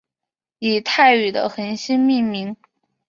以泰语的恒星命名。